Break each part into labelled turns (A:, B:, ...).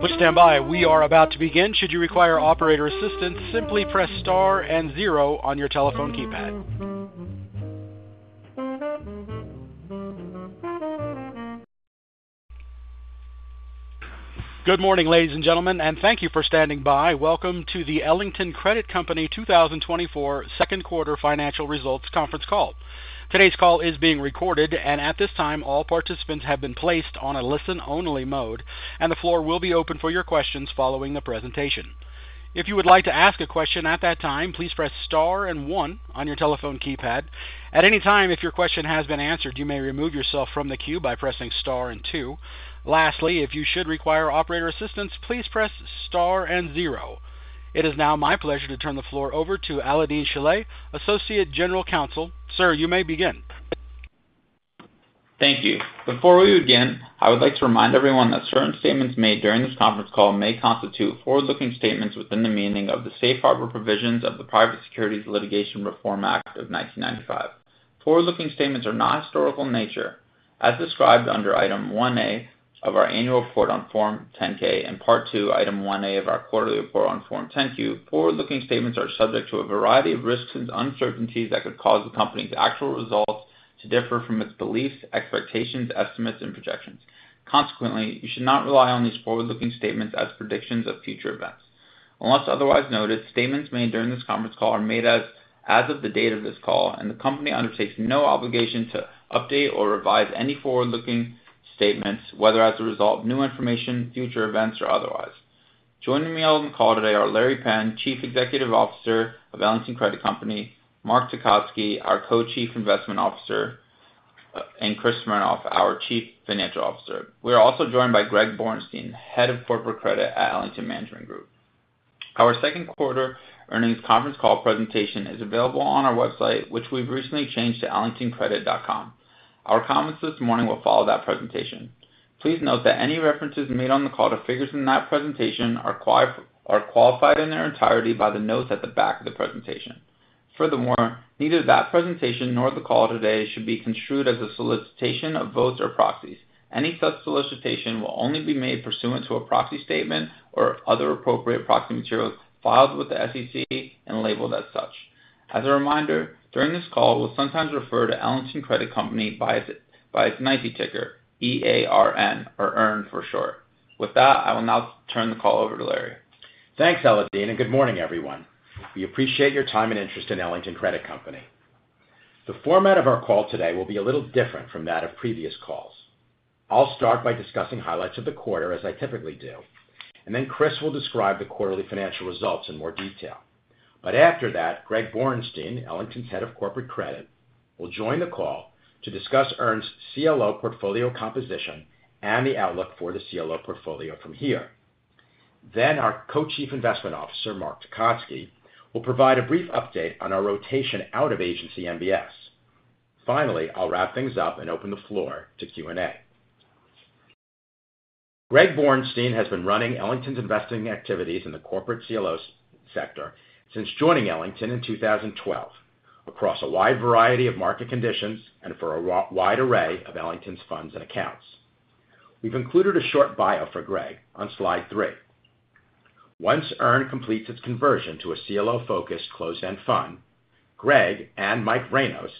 A: Please stand by. We are about to begin. Should you require operator assistance, simply press star and zero on your telephone keypad. Good morning, ladies and gentlemen, and thank you for standing by. Welcome to the Ellington Credit Company 2024 Second Quarter Financial Results Conference Call. Today's call is being recorded, and at this time, all participants have been placed on a listen-only mode, and the floor will be open for your questions following the presentation. If you would like to ask a question at that time, please press star and one on your telephone keypad. At any time, if your question has been answered, you may remove yourself from the queue by pressing star and two. Lastly, if you should require operator assistance, please press star and zero. It is now my pleasure to turn the floor over to Alaael-Deen Shilleh, Associate General Counsel. Sir, you may begin.
B: Thank you. Before we begin, I would like to remind everyone that certain statements made during this conference call may constitute forward-looking statements within the meaning of the Safe Harbor Provisions of the Private Securities Litigation Reform Act of 1995. Forward-looking statements are not historical in nature, as described under Item 1A of our annual report on Form 10-K and Part II, Item 1A of our quarterly report on Form 10-Q. Forward-looking statements are subject to a variety of risks and uncertainties that could cause the Company's actual results to differ from its beliefs, expectations, estimates, and projections. Consequently, you should not rely on these forward-looking statements as predictions of future events. Unless otherwise noted, statements made during this conference call are made as of the date of this call, and the Company undertakes no obligation to update or revise any forward-looking statements, whether as a result of new information, future events, or otherwise. Joining me on the call today are Larry Penn, Chief Executive Officer of Ellington Credit Company, Mark Tecotzky, our Co-Chief Investment Officer, and Chris Smernoff, our Chief Financial Officer. We are also joined by Greg Borenstein, Head of Corporate Credit at Ellington Management Group. Our second quarter earnings conference call presentation is available on our website, which we've recently changed to ellingtoncredit.com. Our comments this morning will follow that presentation. Please note that any references made on the call to figures in that presentation are qualified in their entirety by the notes at the back of the presentation. Furthermore, neither that presentation nor the call today should be construed as a solicitation of votes or proxies. Any such solicitation will only be made pursuant to a proxy statement or other appropriate proxy materials filed with the SEC and labeled as such. As a reminder, during this call, we'll sometimes refer to Ellington Credit Company by its NYSE ticker, E-A-R-N, or EARN for short. With that, I will now turn the call over to Larry.
C: Thanks, Alaael-Deen, and good morning, everyone. We appreciate your time and interest in Ellington Credit Company. The format of our call today will be a little different from that of previous calls. I'll start by discussing highlights of the quarter, as I typically do, and then Chris will describe the quarterly financial results in more detail. But after that, Greg Borenstein, Ellington's Head of Corporate Credit, will join the call to discuss EARN's CLO portfolio composition and the outlook for the CLO portfolio from here. Then, our Co-Chief Investment Officer, Mark Tecotzky, will provide a brief update on our rotation out of Agency MBS. Finally, I'll wrap things up and open the floor to Q&A. Greg Borenstein has been running Ellington's investing activities in the corporate CLO sector since joining Ellington in 2012, across a wide variety of market conditions and for a wide array of Ellington's funds and accounts. We've included a short bio for Greg on Slide 3. Once EARN completes its conversion to a CLO-focused closed-end fund, Greg and Mike Vranos,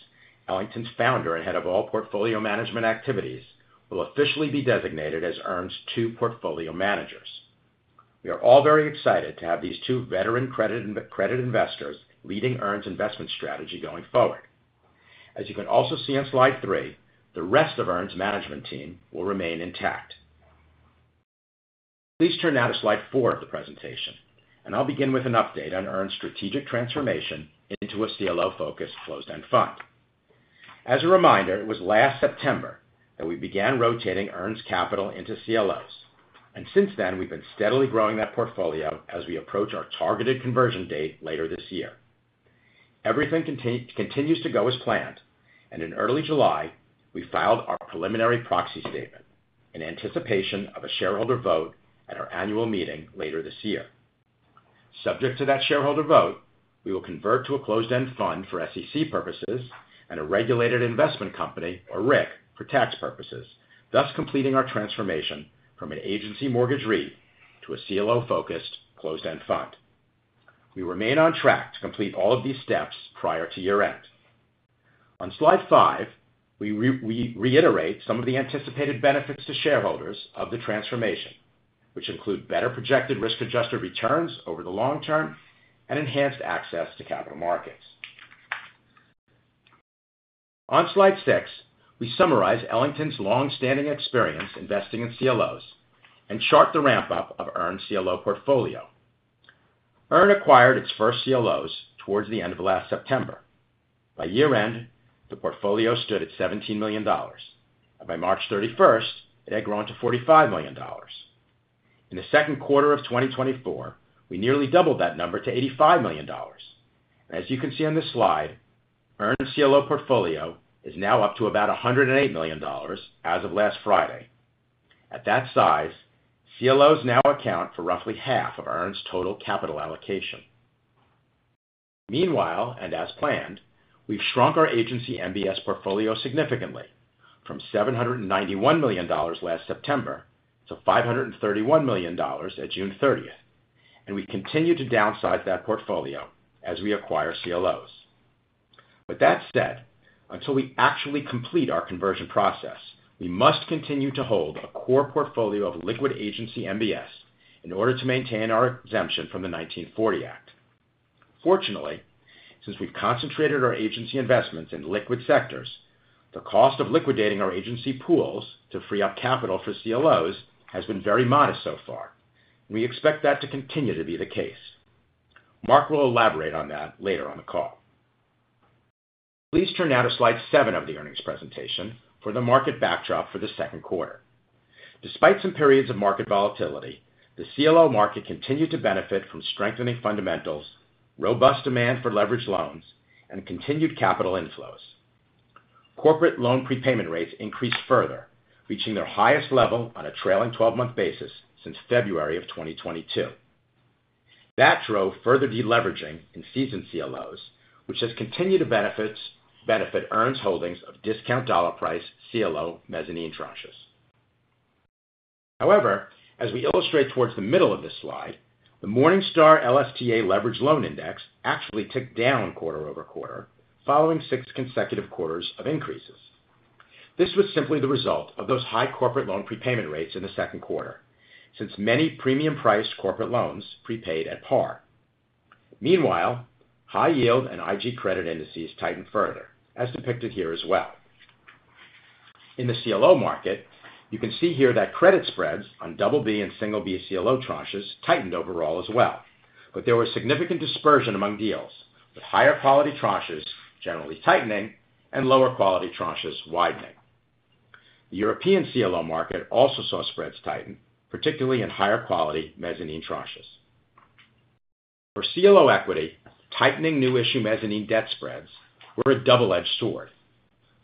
C: Ellington's founder and head of all portfolio management activities, will officially be designated as EARN's two portfolio managers. We are all very excited to have these two veteran credit and credit investors leading EARN's investment strategy going forward. As you can also see on Slide 3, the rest of EARN's management team will remain intact. Please turn now to Slide 4 of the presentation, and I'll begin with an update on EARN's strategic transformation into a CLO-focused closed-end fund. As a reminder, it was last September that we began rotating EARN's capital into CLOs, and since then, we've been steadily growing that portfolio as we approach our targeted conversion date later this year. Everything continues to go as planned, and in early July, we filed our preliminary proxy statement in anticipation of a shareholder vote at our annual meeting later this year. Subject to that shareholder vote, we will convert to a closed-end fund for SEC purposes and a regulated investment company, or RIC, for tax purposes, thus completing our transformation from an Agency mortgage REIT to a CLO-focused closed-end fund. We remain on track to complete all of these steps prior to year-end. On Slide 5, we reiterate some of the anticipated benefits to shareholders of the transformation, which include better projected risk-adjusted returns over the long term and enhanced access to capital markets. On Slide 6, we summarize Ellington's long-standing experience investing in CLOs and chart the ramp-up of EARN's CLO portfolio. EARN acquired its first CLOs towards the end of last September. By year-end, the portfolio stood at $17 million, and by March 31, it had grown to $45 million. In the second quarter of 2024, we nearly doubled that number to $85 million. As you can see on this slide, EARN's CLO portfolio is now up to about $108 million as of last Friday. At that size, CLOs now account for roughly half of EARN's total capital allocation.... Meanwhile, and as planned, we've shrunk our Agency MBS portfolio significantly from $791 million last September to $531 million at June 30th, and we continue to downsize that portfolio as we acquire CLOs. With that said, until we actually complete our conversion process, we must continue to hold a core portfolio of liquid Agency MBS in order to maintain our exemption from the 1940 Act. Fortunately, since we've concentrated our Agency investments in liquid sectors, the cost of liquidating our Agency pools to free up capital for CLOs has been very modest so far. We expect that to continue to be the case. Mark will elaborate on that later on the call. Please turn now to Slide 7 of the earnings presentation for the market backdrop for the second quarter. Despite some periods of market volatility, the CLO market continued to benefit from strengthening fundamentals, robust demand for leveraged loans, and continued capital inflows. Corporate loan prepayment rates increased further, reaching their highest level on a trailing 12 month basis since February of 2022. That drove further deleveraging in seasoned CLOs, which has continued to benefit EARN's holdings of discount dollar price CLO mezzanine tranches. However, as we illustrate towards the middle of this slide, the Morningstar LSTA Leveraged Loan Index actually ticked down quarter-over-quarter, following six consecutive quarters of increases. This was simply the result of those high corporate loan prepayment rates in the second quarter, since many premium-priced corporate loans prepaid at par. Meanwhile, high yield and IG credit indices tightened further, as depicted here as well. In the CLO market, you can see here that credit spreads on Double-B and Single-B CLO tranches tightened overall as well, but there was significant dispersion among deals, with higher quality tranches generally tightening and lower quality tranches widening. The European CLO market also saw spreads tighten, particularly in higher quality mezzanine tranches. For CLO equity, tightening new issue mezzanine debt spreads were a double-edged sword.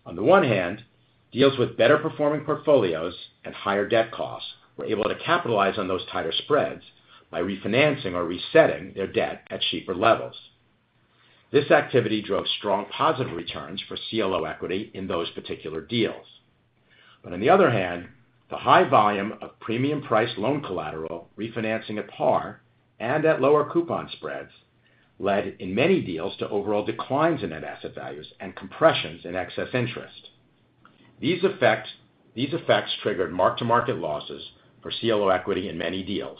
C: On the one hand, deals with better performing portfolios and higher debt costs were able to capitalize on those tighter spreads by refinancing or resetting their debt at cheaper levels. This activity drove strong positive returns for CLO equity in those particular deals. But on the other hand, the high volume of premium priced loan collateral, refinancing at par and at lower coupon spreads, led in many deals to overall declines in net asset values and compressions in excess interest. These effects triggered mark-to-market losses for CLO equity in many deals,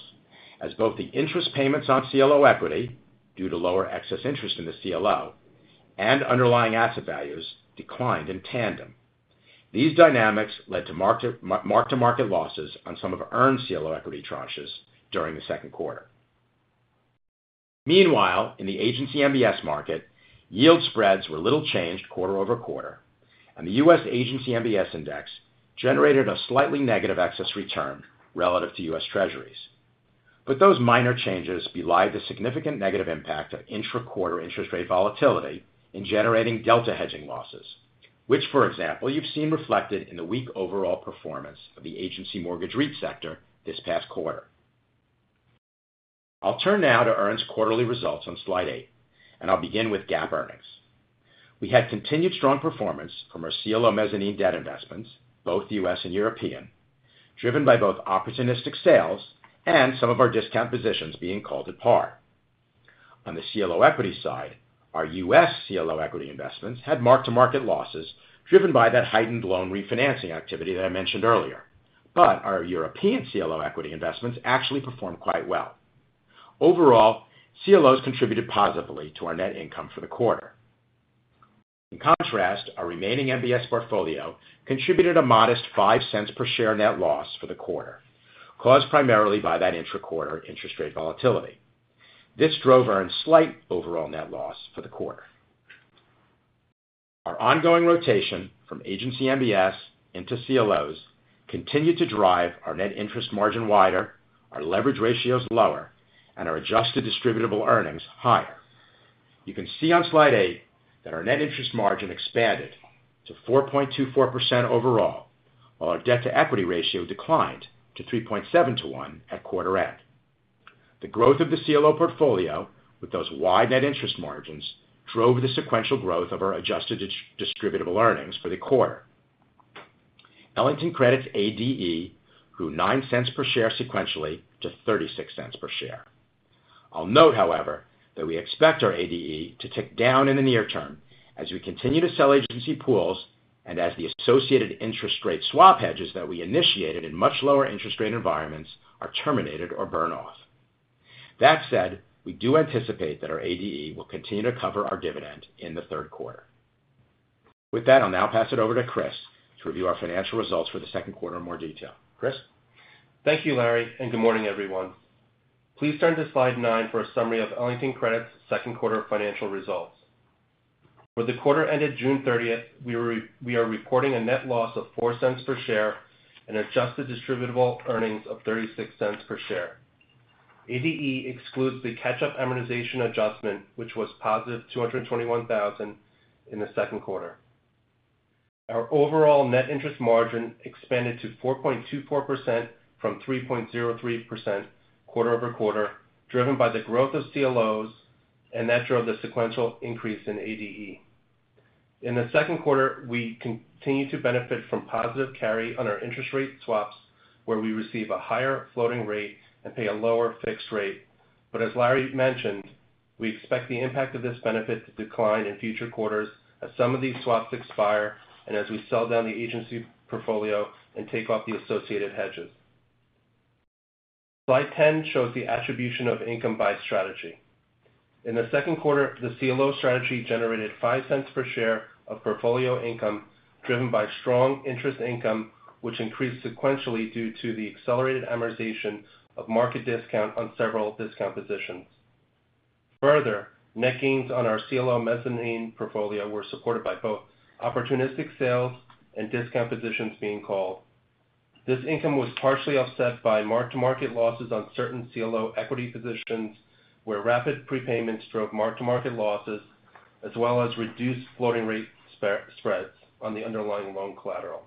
C: as both the interest payments on CLO equity, due to lower excess interest in the CLO and underlying asset values, declined in tandem. These dynamics led to mark-to-market losses on some of EARN CLO equity tranches during the second quarter. Meanwhile, in the Agency MBS market, yield spreads were little changed quarter-over-quarter, and the U.S. Agency MBS Index generated a slightly negative excess return relative to U.S. Treasuries. But those minor changes belie the significant negative impact of intra-quarter interest rate volatility in generating delta hedging losses, which, for example, you've seen reflected in the weak overall performance of the Agency mortgage REIT sector this past quarter. I'll turn now to EARN's quarterly results on Slide 8, and I'll begin with GAAP earnings. We had continued strong performance from our CLO mezzanine debt investments, both U.S. and European, driven by both opportunistic sales and some of our discount positions being called at par. On the CLO equity side, our U.S. CLO equity investments had mark-to-market losses, driven by that heightened loan refinancing activity that I mentioned earlier. But our European CLO equity investments actually performed quite well. Overall, CLOs contributed positively to our net income for the quarter. In contrast, our remaining MBS portfolio contributed a modest $0.05 per share net loss for the quarter, caused primarily by that intra-quarter interest rate volatility. This drove EARN's slight overall net loss for the quarter. Our ongoing rotation from Agency MBS into CLOs continued to drive our net interest margin wider, our leverage ratios lower, and our Adjusted Distributable Earnings higher. You can see on Slide 8 that our net interest margin expanded to 4.24% overall, while our debt-to-equity ratio declined to 3.7 to 1 at quarter end. The growth of the CLO portfolio, with those wide net interest margins, drove the sequential growth of our Adjusted Distributable Earnings for the quarter. Ellington Credit's ADE grew $0.09 per share sequentially to $0.36 per share. I'll note, however, that we expect our ADE to tick down in the near term as we continue to sell Agency pools and as the associated interest rate swap hedges that we initiated in much lower interest rate environments are terminated or burn off. That said, we do anticipate that our ADE will continue to cover our dividend in the third quarter. With that, I'll now pass it over to Chris to review our financial results for the second quarter in more detail. Chris?
D: Thank you, Larry, and good morning, everyone. Please turn to Slide 9 for a summary of Ellington Credit's second quarter financial results. For the quarter ended June 30th, we are recording a net loss of $0.04 per share and Adjusted Distributable Earnings of $0.36 per share. ADE excludes the catch-up amortization adjustment, which was positive $221,000 in the second quarter. Our overall net interest margin expanded to 4.24% from 3.03% quarter-over-quarter, driven by the growth of CLOs, and that drove the sequential increase in ADE. In the second quarter, we continued to benefit from positive carry on our interest rate swaps, where we receive a higher floating rate and pay a lower fixed rate. But as Larry mentioned, we expect the impact of this benefit to decline in future quarters as some of these swaps expire and as we sell down the Agency portfolio and take off the associated hedges. Slide 10 shows the attribution of income by strategy. In the second quarter, the CLO strategy generated $0.05 per share of portfolio income, driven by strong interest income, which increased sequentially due to the accelerated amortization of market discount on several discount positions. Further, net gains on our CLO mezzanine portfolio were supported by both opportunistic sales and discount positions being called. This income was partially offset by mark-to-market losses on certain CLO equity positions, where rapid prepayments drove mark-to-market losses, as well as reduced floating rate spreads on the underlying loan collateral.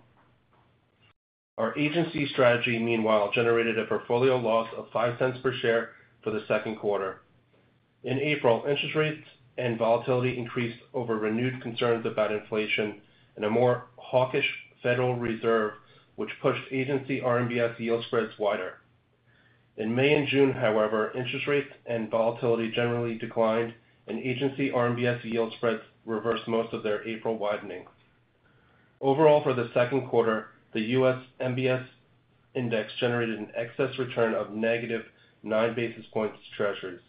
D: Our Agency strategy, meanwhile, generated a portfolio loss of $0.05 per share for the second quarter. In April, interest rates and volatility increased over renewed concerns about inflation and a more hawkish Federal Reserve, which pushed Agency RMBS yield spreads wider. In May and June, however, interest rates and volatility generally declined, and Agency RMBS yield spreads reversed most of their April widening. Overall, for the second quarter, the U.S. MBS Index generated an excess return of negative nine basis points to Treasuries.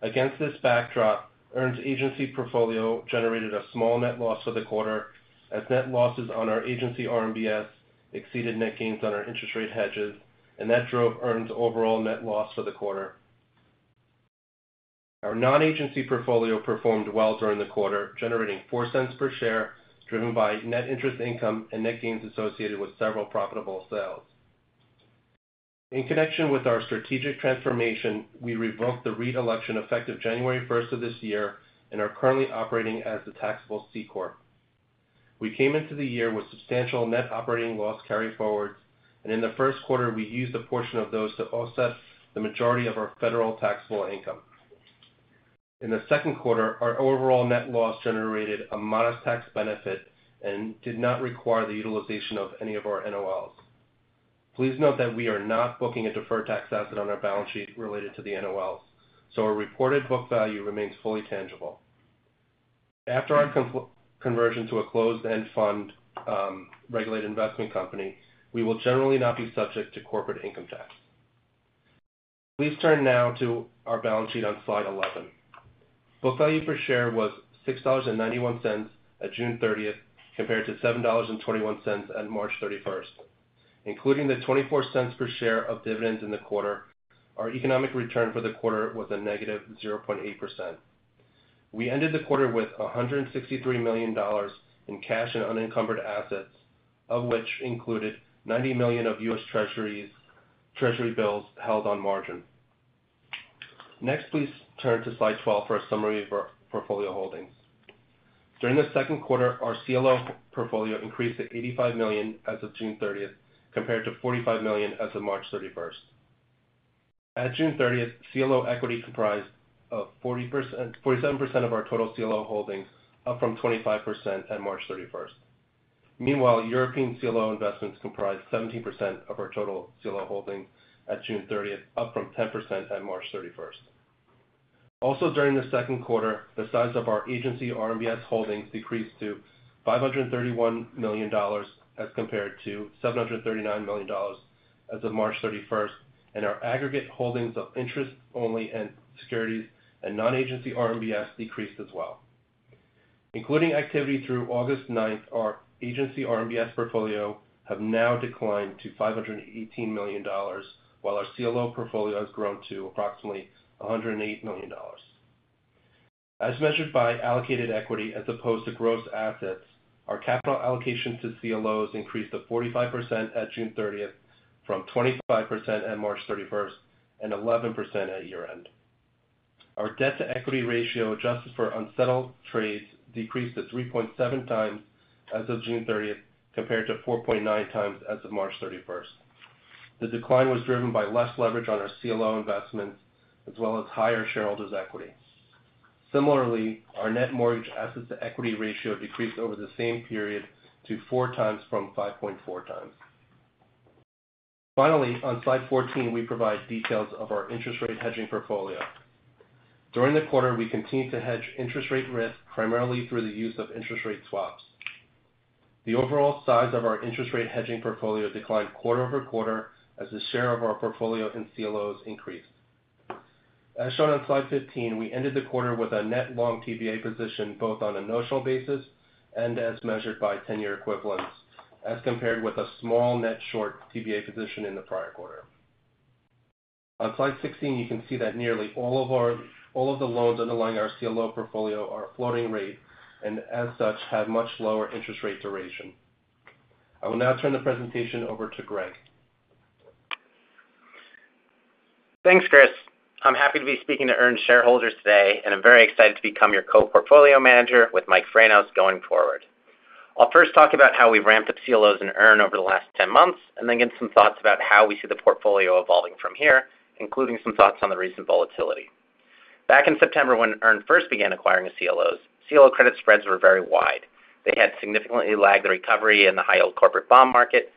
D: Against this backdrop, EARN's Agency portfolio generated a small net loss for the quarter, as net losses on our Agency RMBS exceeded net gains on our interest rate hedges, and that drove EARN's overall net loss for the quarter. Our non-Agency portfolio performed well during the quarter, generating $0.04 per share, driven by net interest income and net gains associated with several profitable sales. In connection with our strategic transformation, we revoked the election effective January first of this year and are currently operating as a taxable C Corp. We came into the year with substantial net operating loss carryforwards, and in the first quarter, we used a portion of those to offset the majority of our federal taxable income. In the second quarter, our overall net loss generated a modest tax benefit and did not require the utilization of any of our NOLs. Please note that we are not booking a deferred tax asset on our balance sheet related to the NOLs, so our reported book value remains fully tangible. After our conversion to a closed-end fund, regulated investment company, we will generally not be subject to corporate income tax. Please turn now to our balance sheet on Slide 11. Book value per share was $6.91 at June thirtieth, compared to $7.21 at March thirty-first. Including the $0.24 per share of dividends in the quarter, our economic return for the quarter was a negative 0.8%. We ended the quarter with $163 million in cash and unencumbered assets, of which included $90 million of U.S. Treasuries, Treasury bills held on margin. Next, please turn to Slide 12 for a summary of our portfolio holdings. During the second quarter, our CLO portfolio increased to $85 million as of June 30th, compared to $45 million as of March 31st. At June thirtieth, CLO equity comprised of 40%, 47% of our total CLO holdings, up from 25% at March thirty-first. Meanwhile, European CLO investments comprised 17% of our total CLO holdings at June 30th, up from 10% at March 31st. Also, during the second quarter, the size of our Agency RMBS holdings decreased to $531 million, as compared to $739 million as of March 31st, and our aggregate holdings of interest only and securities and non-Agency RMBS decreased as well. Including activity through August 9th, our Agency RMBS portfolio have now declined to $518 million, while our CLO portfolio has grown to approximately $108 million. As measured by allocated equity, as opposed to gross assets, our capital allocation to CLOs increased to 45% at June 30th, from 25% at March 31st, and 11% at year-end. Our debt-to-equity ratio, adjusted for unsettled trades, decreased to 3.7 times as of June 30, compared to 4.9 times as of March 31. The decline was driven by less leverage on our CLO investments, as well as higher shareholders' equity. Similarly, our net mortgage assets to equity ratio decreased over the same period to 4 times from 5.4 times. Finally, on Slide 14, we provide details of our interest rate hedging portfolio. During the quarter, we continued to hedge interest rate risk, primarily through the use of interest rate swaps. The overall size of our interest rate hedging portfolio declined quarter-over-quarter as the share of our portfolio in CLOs increased. As shown on Slide 15, we ended the quarter with a net long TBA position, both on a notional basis and as measured by tenure equivalents, as compared with a small net short TBA position in the prior quarter. On Slide 16, you can see that nearly all of the loans underlying our CLO portfolio are floating rate, and as such, have much lower interest rate duration. I will now turn the presentation over to Greg.
E: Thanks, Chris. I'm happy to be speaking to EARN shareholders today, and I'm very excited to become your co-portfolio manager with Mike Vranos going forward. I'll first talk about how we've ramped up CLOs in EARN over the last 10 months, and then give some thoughts about how we see the portfolio evolving from here, including some thoughts on the recent volatility. Back in September, when EARN first began acquiring the CLOs, CLO credit spreads were very wide. They had significantly lagged the recovery in the high-yield corporate bond market,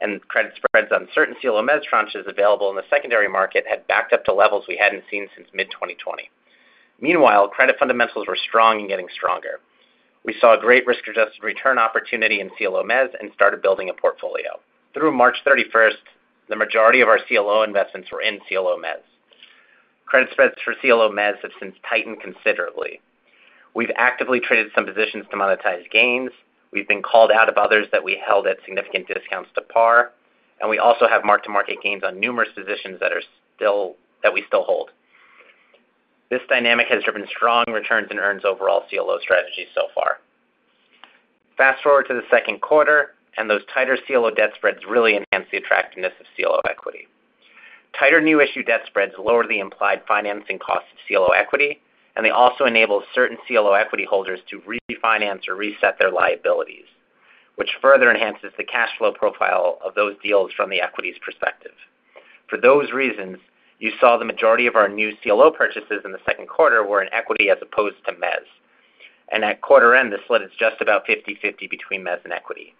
E: and credit spreads on certain CLO mezz tranches available in the secondary market had backed up to levels we hadn't seen since mid-2020. Meanwhile, credit fundamentals were strong and getting stronger. We saw a great risk-adjusted return opportunity in CLO mezz and started building a portfolio. Through March 31st, the majority of our CLO investments were in CLO mezz. Credit spreads for CLO mezz have since tightened considerably. We've actively traded some positions to monetize gains. We've been called out of others that we held at significant discounts to par, and we also have mark-to-market gains on numerous positions that we still hold. This dynamic has driven strong returns in EARN's overall CLO strategy so far. Fast-forward to the second quarter, and those tighter CLO debt spreads really enhanced the attractiveness of CLO equity. Tighter new issue debt spreads lower the implied financing cost of CLO equity, and they also enable certain CLO equity holders to refinance or reset their liabilities, which further enhances the cash flow profile of those deals from the equity's perspective. For those reasons, you saw the majority of our new CLO purchases in the second quarter were in equity as opposed to mezz, and at quarter end, the split is just about 50/50 between mezz and equity.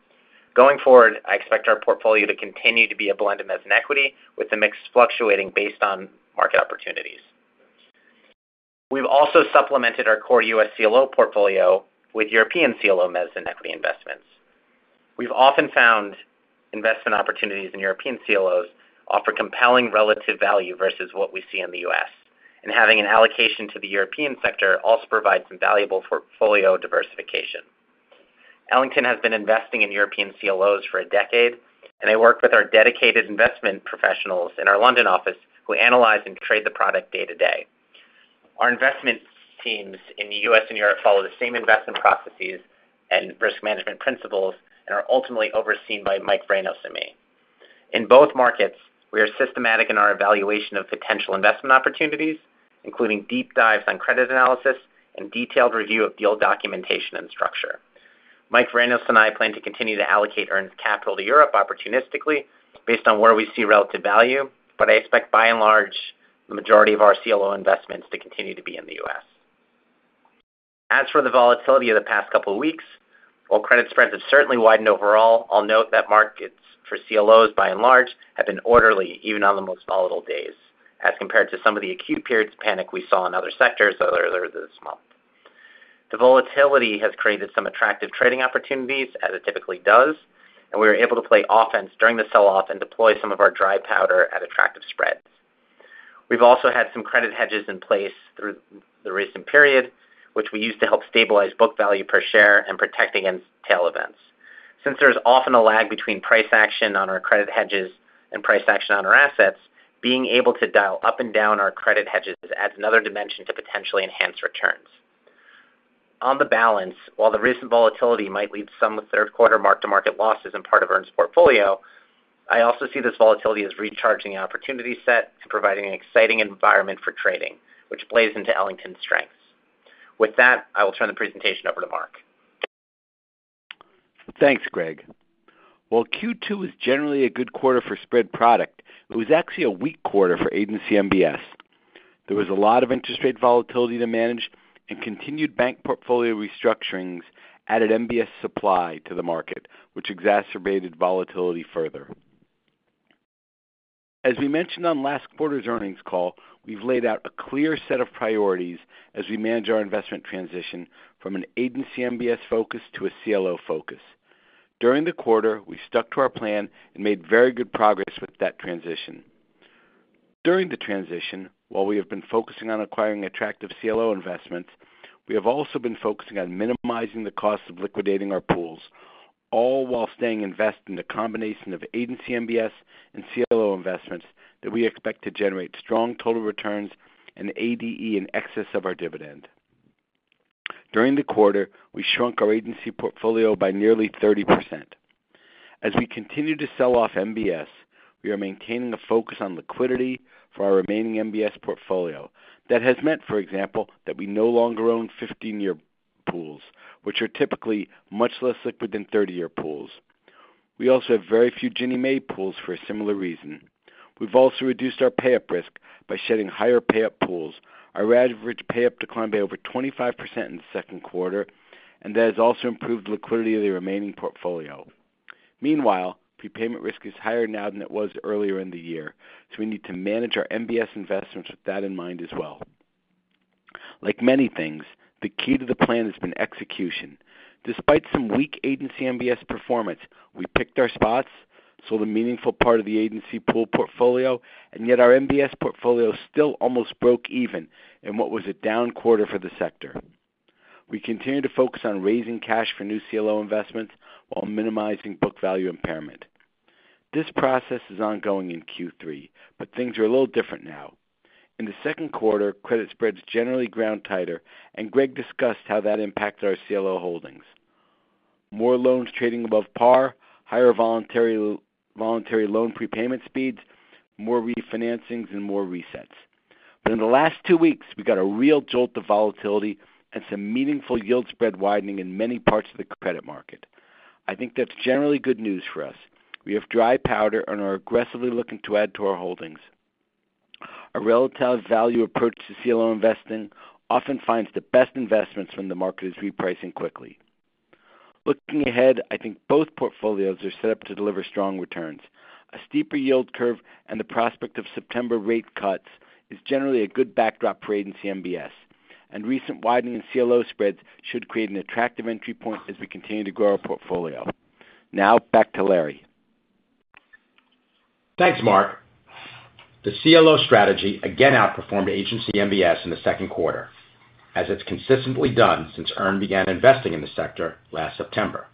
E: Going forward, I expect our portfolio to continue to be a blend of mezz and equity, with the mix fluctuating based on market opportunities. We've also supplemented our core U.S. CLO portfolio with European CLO mezz and equity investments. We've often found investment opportunities in European CLOs offer compelling relative value versus what we see in the U.S., and having an allocation to the European sector also provides some valuable portfolio diversification. Ellington has been investing in European CLOs for a decade, and they work with our dedicated investment professionals in our London office, who analyze and trade the product day-to-day. Our investment teams in the U.S. and Europe follow the same investment processes and risk management principles and are ultimately overseen by Michael Vranos and me. In both markets, we are systematic in our evaluation of potential investment opportunities, including deep dives on credit analysis and detailed review of deal documentation and structure. Michael Vranos and I plan to continue to allocate EARN's capital to Europe opportunistically based on where we see relative value, but I expect, by and large, the majority of our CLO investments to continue to be in the U.S. As for the volatility of the past couple of weeks, while credit spreads have certainly widened overall, I'll note that markets for CLOs, by and large, have been orderly, even on the most volatile days, as compared to some of the acute periods of panic we saw in other sectors earlier this month. The volatility has created some attractive trading opportunities, as it typically does, and we were able to play offense during the sell-off and deploy some of our dry powder at attractive spreads. We've also had some credit hedges in place through the recent period, which we use to help stabilize book value per share and protect against tail events. Since there's often a lag between price action on our credit hedges and price action on our assets, being able to dial up and down our credit hedges adds another dimension to potentially enhance returns. On balance, while the recent volatility might lead some third quarter mark-to-market losses in part of EARN's portfolio, I also see this volatility as recharging the opportunity set and providing an exciting environment for trading, which plays into Ellington's strengths. With that, I will turn the presentation over to Mark.
F: Thanks, Greg. While Q2 is generally a good quarter for spread product, it was actually a weak quarter for Agency MBS. There was a lot of interest rate volatility to manage and continued bank portfolio restructurings added MBS supply to the market, which exacerbated volatility further. As we mentioned on last quarter's earnings call, we've laid out a clear set of priorities as we manage our investment transition from an Agency MBS focus to a CLO focus. During the quarter, we stuck to our plan and made very good progress with that transition. During the transition, while we have been focusing on acquiring attractive CLO investments, we have also been focusing on minimizing the cost of liquidating our pools, all while staying invested in the combination of Agency MBS and CLO investments that we expect to generate strong total returns and ADE in excess of our dividend. During the quarter, we shrunk our Agency portfolio by nearly 30%. As we continue to sell off MBS, we are maintaining a focus on liquidity for our remaining MBS portfolio. That has meant, for example, that we no longer own 15-year pools, which are typically much less liquid than 30-year pools. We also have very few Ginnie Mae pools for a similar reason. We've also reduced our payoff risk by shedding higher payoff pools. Our average payoff declined by over 25% in the second quarter, and that has also improved liquidity of the remaining portfolio. Meanwhile, prepayment risk is higher now than it was earlier in the year, so we need to manage our MBS investments with that in mind as well. Like many things, the key to the plan has been execution. Despite some weak Agency MBS performance, we picked our spots, sold a meaningful part of the Agency pool portfolio, and yet our MBS portfolio still almost broke even in what was a down quarter for the sector. We continue to focus on raising cash for new CLO investments while minimizing book value impairment. This process is ongoing in Q3, but things are a little different now. In the second quarter, credit spreads generally ground tighter, and Greg discussed how that impacted our CLO holdings. More loans trading above par, higher voluntary loan prepayment speeds, more refinancing and more resets. But in the last two weeks, we got a real jolt of volatility and some meaningful yield spread widening in many parts of the credit market. I think that's generally good news for us. We have dry powder and are aggressively looking to add to our holdings. A relative value approach to CLO investing often finds the best investments when the market is repricing quickly. Looking ahead, I think both portfolios are set up to deliver strong returns. A steeper yield curve and the prospect of September rate cuts is generally a good backdrop for Agency MBS, and recent widening in CLO spreads should create an attractive entry point as we continue to grow our portfolio. Now back to Larry.
C: Thanks, Mark. The CLO strategy again outperformed Agency MBS in the second quarter, as it's consistently done since EARN began investing in the sector last September.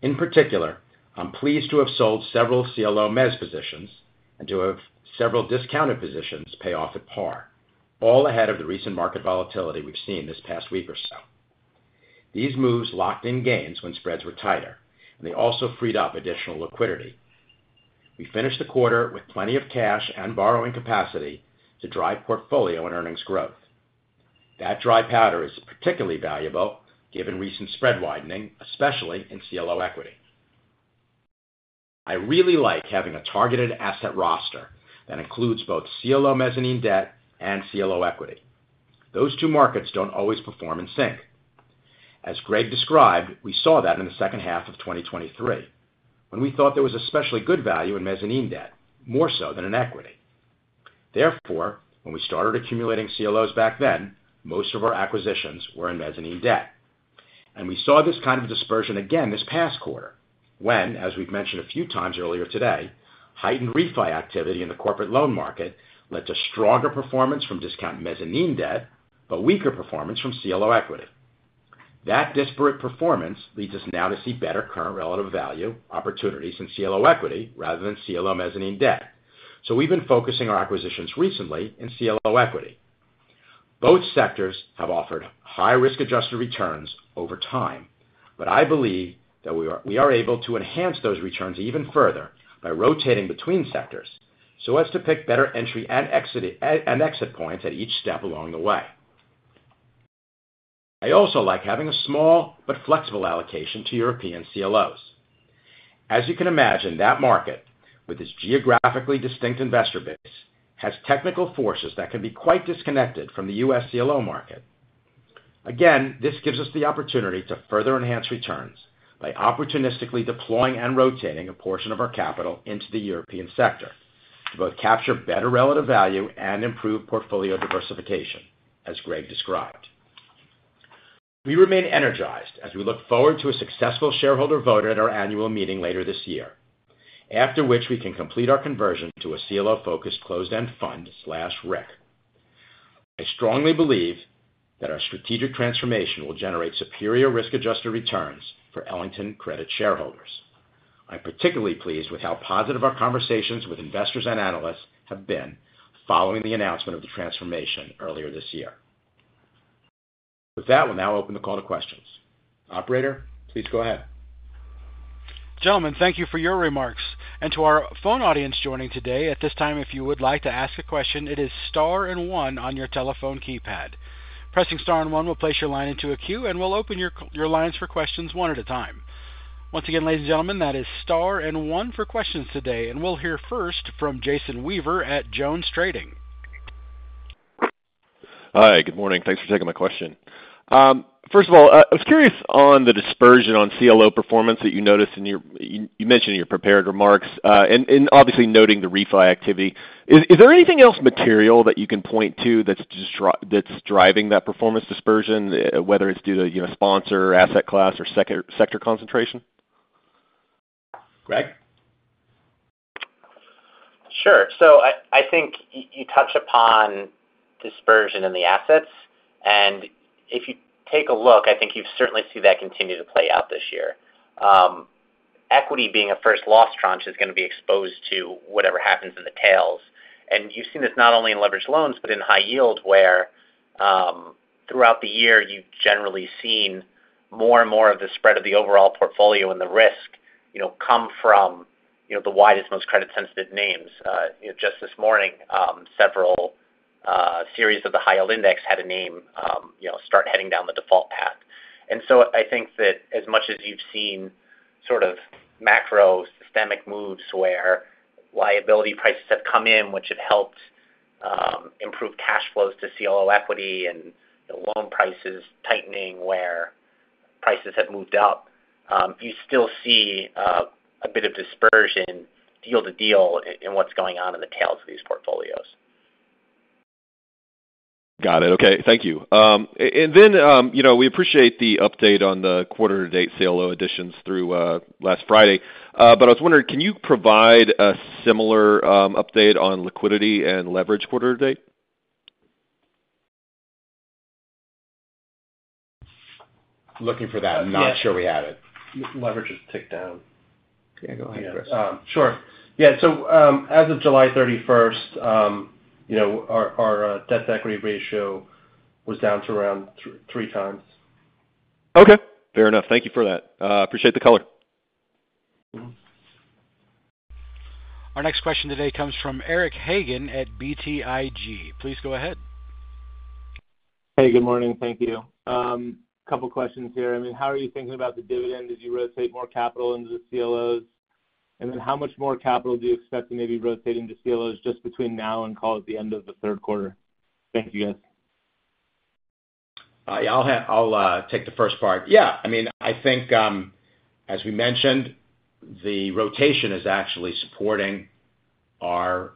C: In particular, I'm pleased to have sold several CLO mezz positions and to have several discounted positions pay off at par, all ahead of the recent market volatility we've seen this past week or so. These moves locked in gains when spreads were tighter, and they also freed up additional liquidity. We finished the quarter with plenty of cash and borrowing capacity to drive portfolio and earnings growth. That dry powder is particularly valuable given recent spread widening, especially in CLO equity. I really like having a targeted asset roster that includes both CLO mezzanine debt and CLO equity. Those two markets don't always perform in sync. As Greg described, we saw that in the second half of 2023, when we thought there was especially good value in mezzanine debt, more so than in equity. Therefore, when we started accumulating CLOs back then, most of our acquisitions were in mezzanine debt. We saw this kind of dispersion again this past quarter, when, as we've mentioned a few times earlier today, heightened refi activity in the corporate loan market led to stronger performance from discount mezzanine debt, but weaker performance from CLO equity. That disparate performance leads us now to see better current relative value opportunities in CLO equity rather than CLO mezzanine debt. We've been focusing our acquisitions recently in CLO equity. Both sectors have offered high risk-adjusted returns over time, but I believe that we are able to enhance those returns even further by rotating between sectors so as to pick better entry and exit and exit points at each step along the way. I also like having a small but flexible allocation to European CLOs. As you can imagine, that market, with its geographically distinct investor base, has technical forces that can be quite disconnected from the U.S. CLO market. Again, this gives us the opportunity to further enhance returns by opportunistically deploying and rotating a portion of our capital into the European sector to both capture better relative value and improve portfolio diversification, as Greg described. We remain energized as we look forward to a successful shareholder vote at our annual meeting later this year, after which we can complete our conversion to a CLO-focused closed-end fund slash RIC. I strongly believe that our strategic transformation will generate superior risk-adjusted returns for Ellington Credit shareholders. I'm particularly pleased with how positive our conversations with investors and analysts have been following the announcement of the transformation earlier this year. With that, we'll now open the call to questions. Operator, please go ahead.
A: Gentlemen, thank you for your remarks. To our phone audience joining today, at this time, if you would like to ask a question, it is star and one on your telephone keypad. Pressing star and one will place your line into a queue, and we'll open your, your lines for questions one at a time. Once again, ladies and gentlemen, that is star and one for questions today, and we'll hear first from Jason Weaver at JonesTrading.
G: Hi, good morning. Thanks for taking my question. First of all, I was curious on the dispersion on CLO performance that you mentioned in your prepared remarks, and obviously noting the refi activity. Is there anything else material that you can point to that's just driving that performance dispersion, whether it's due to, you know, sponsor, asset class, or sector concentration?
C: Greg?
E: Sure. So I think you touch upon dispersion in the assets, and if you take a look, I think you certainly see that continue to play out this year. Equity being a first loss tranche is gonna be exposed to whatever happens in the tails. And you've seen this not only in leveraged loans, but in high yield, where, throughout the year, you've generally seen more and more of the spread of the overall portfolio and the risk, you know, come from, you know, the widest, most credit-sensitive names. You know, just this morning, several series of the high yield index had a name, you know, start heading down the default path. I think that as much as you've seen sort of macro systemic moves where liability prices have come in, which have helped improve cash flows to CLO equity and loan prices tightening, where prices have moved up, you still see a bit of dispersion deal to deal in what's going on in the tails of these portfolios.
G: Got it. Okay, thank you. And then, you know, we appreciate the update on the quarter-to-date CLO additions through last Friday. But I was wondering, can you provide a similar update on liquidity and leverage quarter-to-date?
C: Looking for that. I'm not sure we had it.
D: Leverage has ticked down.
C: Yeah, go ahead, Chris.
D: Sure. Yeah, so, as of July 31st, you know, our debt to equity ratio was down to around 3x.
G: Okay, fair enough. Thank you for that. Appreciate the color.
A: Our next question today comes from Eric Hagen at BTIG. Please go ahead.
H: Hey, good morning. Thank you. A couple questions here. I mean, how are you thinking about the dividend as you rotate more capital into the CLOs? And then how much more capital do you expect to maybe rotate into CLOs just between now and, call it, the end of the third quarter? Thank you, guys.
C: I'll take the first part. Yeah, I mean, I think, as we mentioned, the rotation is actually supporting our,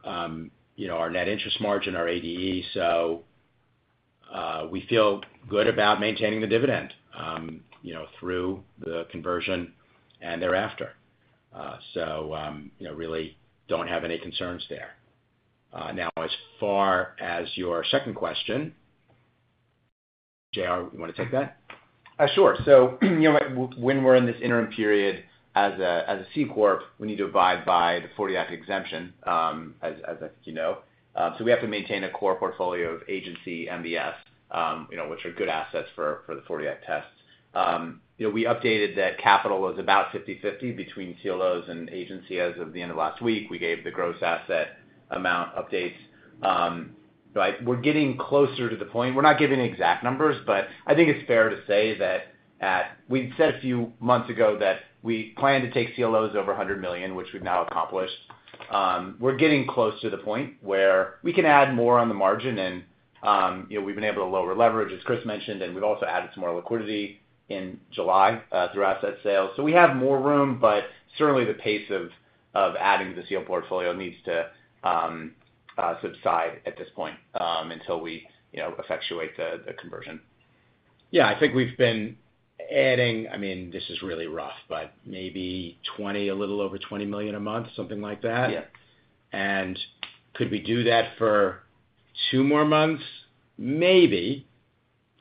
C: you know, our net interest margin, our ADE, so, we feel good about maintaining the dividend, you know, through the conversion and thereafter. So, you know, really don't have any concerns there. Now, as far as your second question, J.R., you wanna take that?
I: Sure. So you know, when we're in this interim period as a C Corp, we need to abide by the 1940 Act exemption, as I think you know. So we have to maintain a core portfolio of Agency MBS, you know, which are good assets for the 1940 Act tests. You know, we updated that capital was about 50/50 between CLOs and Agency as of the end of last week. We gave the gross asset amount updates. But we're getting closer to the point... We're not giving exact numbers, but I think it's fair to say that we said a few months ago that we plan to take CLOs over $100 million, which we've now accomplished. We're getting close to the point where we can add more on the margin and, you know, we've been able to lower leverage, as Chris mentioned, and we've also added some more liquidity in July, through asset sales. So we have more room, but certainly the pace of adding to the CLO portfolio needs to subside at this point, until we, you know, effectuate the conversion.
C: Yeah, I think we've been adding... I mean, this is really rough, but maybe $20, a little over $20 million a month, something like that?
I: Yeah.
C: Could we do that for two more months? Maybe.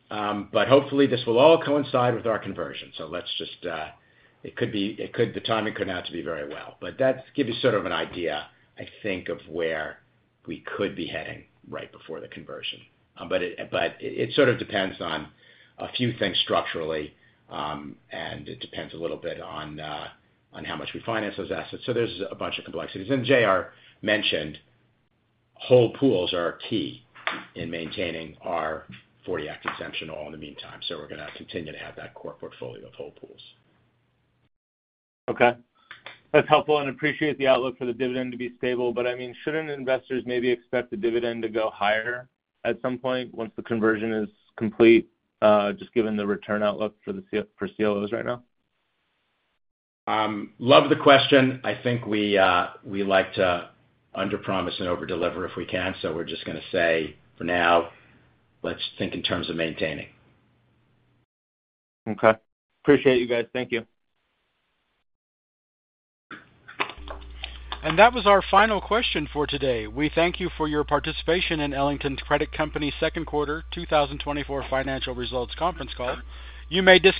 C: But hopefully, this will all coincide with our conversion. So let's just, it could be the timing could work out to be very well. But that gives you sort of an idea, I think, of where we could be heading right before the conversion. But it sort of depends on a few things structurally, and it depends a little bit on how much we finance those assets. So there's a bunch of complexities. J.R. mentioned, whole pools are key in maintaining our 1940 Act exemption in the meantime, so we're gonna continue to have that core portfolio of whole pools.
H: Okay. That's helpful, and appreciate the outlook for the dividend to be stable. But, I mean, shouldn't investors maybe expect the dividend to go higher at some point, once the conversion is complete, just given the return outlook for CLOs right now?
C: Love the question. I think we, we like to under-promise and overdeliver if we can, so we're just gonna say, for now, let's think in terms of maintaining.
H: Okay. Appreciate you guys. Thank you.
A: That was our final question for today. We thank you for your participation in Ellington Credit Company's second quarter 2024 financial results conference call. You may disconnect.